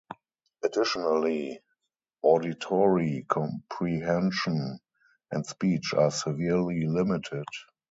Additionally, auditory comprehension and speech are severely limited.